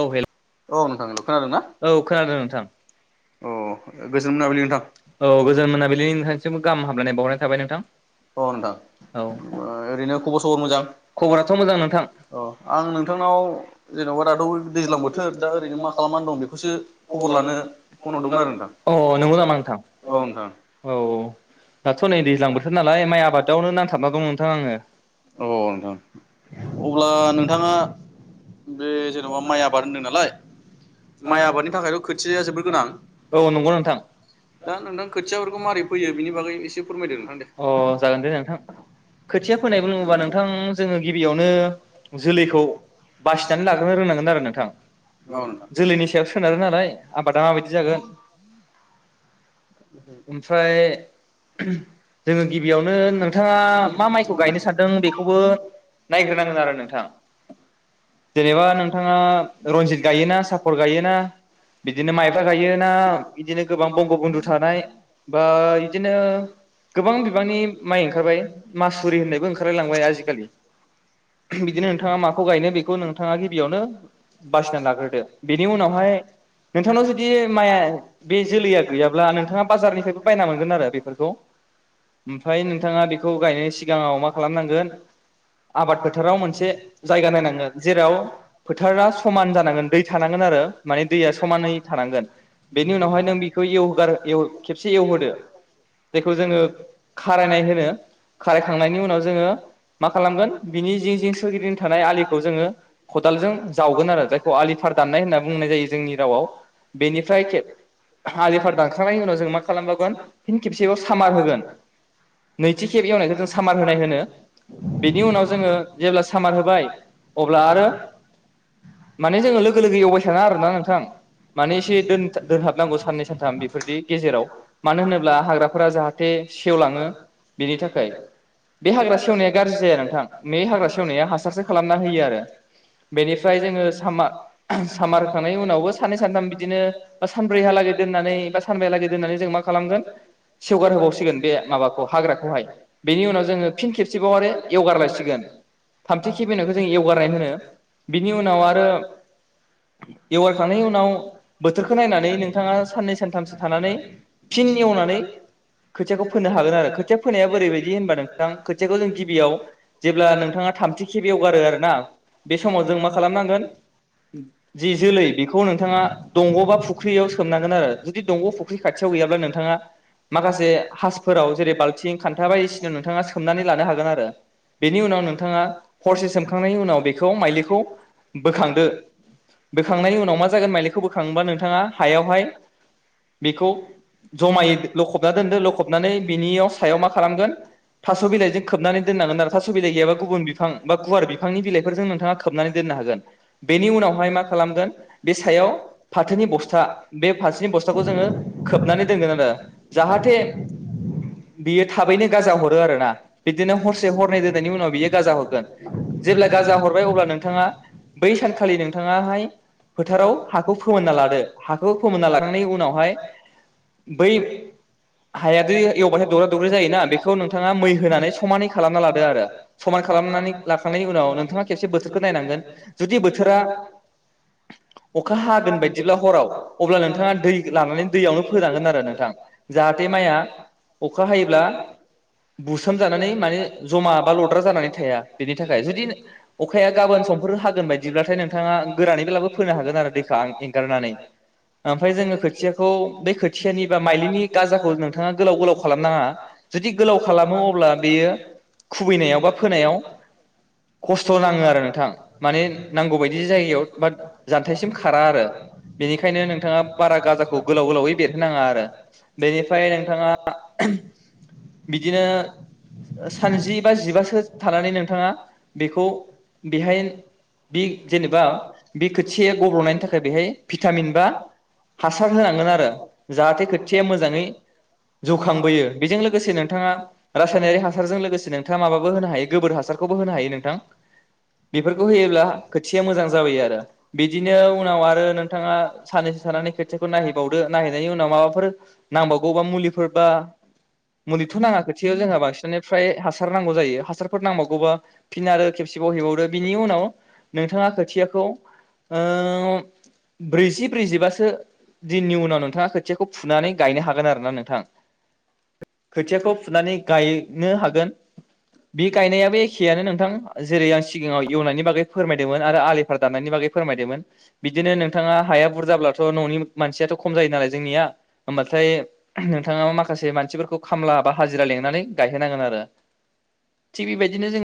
औ औ हेलौ नोंथां हेल' खोनादों ना औ खोनादों नोंथां औ गोजोन मोनाबिलि नोंथां औ गोजोन मोनाबिलिनि नोंथांसिमबो गाहाम हामलायनाय बावहरनाय थाबाय नोंथां अ नोंथां औ ओ ओरैनो खबर सबर मोजां खबराथ' मोजां नोंथां [inaudible] अह आं नोंथांनाव जेन'बा दा थ दैज्लां बोथोर दा ओरैनो मा खालामनानै दं बेखौसो खबर लानो फन हरदोंमोन आरो अ नोंथां। नंगौ नामा नोंथां औ नोंथां। लाय माइ आबादावनो नांथाबना दं नोंथां आङो। [inaudible] औ नोंथां अब्ला नोंथाङा बे जेन'बा माइ आबाद होन्दों नालाय माइ आबादनि थाखायथ' खोथिया जोबोर गोनां औ नंगौ नोंथां दा नोंथां खोथियाफोरखौ माबारै फैयो बेनि बागै एसे फोरमायदों नोंथां दे? उह जागोन दे नोंथां खोथिया फोनायबो नोंथां जोङो गिबियावनो जोलैखौ बासिनानै लाग्रोनो रोंनांगोन आरो नोंथां औ जोलैनि सायाव सोनारो नालाय आबादा माबायदि जागोन नोंथां ओमफ्राय गिबियावनो नोंथाङा मा माइखौ गायनो सानदों? खौबो नायग्रोनांगोन आरो नोंथां जेनेबा नोंथाङा रन्जित गायोना सापर गायोना बिदिनो माइब्रा गायोना बिदिनो गोबां बंग' बन्दु थानाय बा बिदिनो गोबां बिबांनि माइ ओंखारबाय मासुरि होननायबो ओंखारबाय। बिखालि बिदिनो नोंथाङा माखौ गायनो बेखौ नोंथाङा गिबियावनो बासिना लाग्रोदो बेनि उनावहाय नोंथांनाव जुदि माइआ बे जोलैया गैयाब्ला नोंथाङा बाजारनिफ्रायबो बायना मोनगोन आरो बेफोरखौ। ओमफ्राय नोंथाङा बेखौ गायनायनि सिगाङाव मा खालामो? आबाद फोथाराव मोनसे जायगा नायनांगोन जेराव फोथारा समान जानांगोन दै थानांगोन आरो माने दैया समानै थानांगोन बेनि उनावहाय नों बेखौ एवहोगार एव खेबसे एवहोदो जेखौ जोङो खारायनाय होनो खारायखांनायनि उनाव जोङो मा खालामगोन बिनि जिं जिं सोरगिदिं थानाय आलिखौ जोङो खदालजों जावगोन आरो जायखौ आलिफार दाननाय होनना बुंनाय जायो जोंनि रावाव बेनिफ्राय आलिफार दानखांनायनि उनाव जों मा खालामबावगोन फिन खेबसेबाव सामार होगोन। नैथि खेब एवनायखौ जों सामार होनाय होनो। बेनि उनाव जोङो जेब्ला सामार होबाय अब्ला आरो माने जोङो लोगो लोगो एवबाय थानाङा आरो ना नोंथां माने एसे दोनहाबनांगौ साननै सानथाम बेफोरदि गेजेराव मानो होनोब्ला हाग्राफोरा जाहाथे सेवलाङो बेनि थाखाय बे हाग्रा सेवनाय गाज्रि जाया नोंथां बे हाग्रा सेवनाया हासारसो खालामना होयो आरो बेनिफ्राय जोङो सामार होखांनायनि उनावबो साननै सानथाम बिदिनो सानब्रैहालागै दोननानै बा सानबाया लागै दोननानै जों मा खालामगोन सेवगार होबावसिगोन। माबाखौ हाग्राखौहाय बेनि उनाव जोङो फिन खसेबाव आरो एवगारलायसिगोन थामथि खेब एवनायखौ जों एवगारनाय होनो बिनि उनाव आरो एवगारखांनायनि उनाव बोथोरखौ नायनानै नोंथाङा साननै सानथामसो थानानै फिन एवनानै खो खोथियाखौ फोनो हागोन आरो खोथिया फोनाया बोरैबायदि होनबा नोंथां खोथियाखौ जों गिबियाव जेब्ला नोंथाङा थामथि खेब एवगारो आरो ना बे समाव जों मा खालामनांगोन उम जि जोलै बेखौ नोंथाङा दंग' बा फुख्रियाव सोमनांगोन आरो जुदि दंग' फुख्रि खाथियाव गैयाब्ला नोंथाङा माखासे खासफोराव जेर बालथिं खान्था बायदिसिना नोंथाङा सोम लानो‌ हागोन‌ आरो बेनि उनाव नोंथाङा हरसे सोमखांनायनि उनाव बेखौ माइलिखौ बोखांदो‌। बोखांनायनि उनाव मा जागोन माइलिखौ बोखांबा नोंथाङा हायावहाय बेखौ जमायै लखबना दोन्दो लखब माने बिनियाव‌ सायाव मा खालामगोन थास' बिलाइजों खोबनानै दोन्नांगोन आरो थास' बिलाइ गैयाबा गुबुन बिफां बा गुवार बिफांनि बिलाइफोरजों नोंथाङा खोबनानै दोन्नो हागोन। बेनि उनावहाय मा खालामगोन बे सायाव फाथोनि बस्था बे फाथोनि बस्थाखौ जोङो खोबनानै दोनगोन आरो जाहाथे बेयो थाबैनो गाजा हरो आरोना। बिदिनो हरसे हरनै दोननायनि उनाव बियो गाजा हरगोन। जेब्ला गाजा हरबाय अब्ला नोंथाङा बै सानखालि नोंथाङाहाय फोथाराव हाखौ फोमोन्ना लादो हाखौ फोमोनना लाखांनायनि उनावहाय बै हाया बै एवाथाय दौरा दौरि जायोना बेखौ नोंथाङा होनानै समानै खालामना लादो आरो समानै खालामनानै लाखांनायनि उनाव नोंथाङा खेबसे बोथोरखौ नायनांगोन जुदि बोथोरा अखा हागोन बायदिब्ला हराव अब्ला नोंथाङा दै लानानै दैयावनो फोनांगोन आरो नोंथां जाहाथे माइ आ अखा हायोब्ला बुसोमजानानै माने जमा बा लद्रा जानानै थाया बेनि थाखाय जुदि अखाया गाबोन समफोरनो हागोन बायदिब्लाथाय नोंथाङा गोरानै बेलाबो फोनो हागोन आरो दैखौ आं एंगारनानै। ओमफाय जोङो खोथियाखौ बै खोथियानि बा माइलिनि गाजाखौ नोंथाङा गोलाव गोलाव खालाम नाङा। जुदि गोलाव खालामो अब्ला बेयो खुबैनायाव बा फोनायाव खस्थ नाङो आरो नोंथां माने नांगौ बायदि जायगायाव बा जान्थायायसिम खारा आरो बेनिखायनो नोंथाङा बारा गाजाखौ गोलाव गोलावै बेरहोनाङा आरो। बेनिफ्राय नोंथाङा बिदिनो सान जि बा जिबासो थानानै नोंथाङा बेखौ बेहाय बे जेनेबा बे खोथिया गब्लनायनि थाखाय बेहाय भिटामिन बा हासार होनांगोन आरो जाहाथे मोजाङै जौखांबोयो। बे लोगोसे नोंथाङा रासायनारि हासारजों लोगोसे नोंथाङा माबाबो होनो हायो गोबोर हासारखौबो होनो हायो नोंथां। बेफोरखौ होयोब्ला खोथिया मोजां जाबोयो आरो। बिदिनो उनाव आरो नोंथाङा साननैसो थानानै खोथियाखौ नायहै बावदो नायहैनायनि उनाव माबाफोर नांबावगौबा मुलिफोरबा मुलिथ नाङा खोथियाव जोंहा बांसिनानो फ्राय हासार नांगौ जायो हासारफोर नांबावगौबा फिन आरो खेबसेबाव हैबावदो। बिनि उनाव नोंथाङा खोथियाखौ ओ ब्रैजि ब्रैजिबासो दिननि उनाव नोंथाङा खोथियाखौ फु फुनानै गायनो हागोन आरो ना नोंथां। खोथियाखौ फुनानै गायनो हागोन। बे गायनायाबो एखेयानो नोंथां जेरै आं सिगाङाव एवनायनि बागै फोरमायदोंमोन आरो आलिफोर दान्नायनि बागै फोरमायदोंमोन बिदिनो नोंथांङा हाया बुरजाब्लाथ ननि मानसियाथ खम जायो नालाय जोंनिया। होमबाथाय नोंथाङा माखासे मानसिफोरखौ खामला बा हाजिरा लिंनानै गायहोनांगोन आरो। थिग बेबायदिनो जों